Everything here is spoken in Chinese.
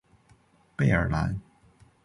贝尔兰。